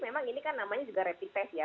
memang ini kan namanya juga rapid test ya